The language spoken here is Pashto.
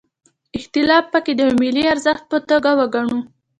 اختلاف پکې د یوه ملي ارزښت په توګه وګڼو.